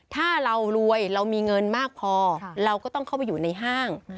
ถ้าเรารวยเรามีเงินมากพอเราก็ต้องเข้าไปอยู่ในห้าง